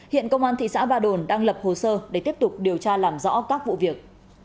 hiện công an thị xã ba đồn đang lập hồ sơ để tiếp tục điều tra làm rõ các vụ việc